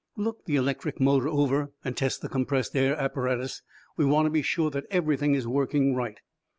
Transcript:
Look the electric motor over, and test the compressed air apparatus. We want to be sure that everything is working right."